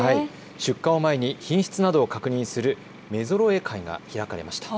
出荷を前に品質などを確認する目ぞろえ会が開かれました。